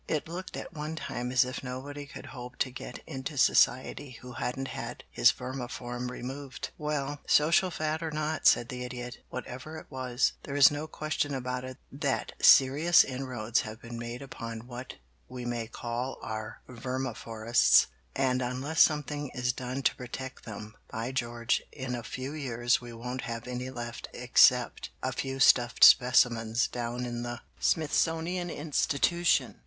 It looked at one time as if nobody could hope to get into society who hadn't had his vermiform removed." "Well, social fad or not," said the Idiot, "whatever it was, there is no question about it that serious inroads have been made upon what we may call our vermiforests, and unless something is done to protect them, by George, in a few years we won't have any left except a few stuffed specimens down in the Smithsonian Institution.